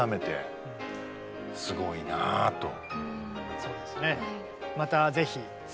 そのそうですね。